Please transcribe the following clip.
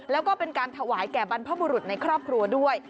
แล้วก็เป็นการถวายแก่บรรพบุรุษในครอบครัวด้วย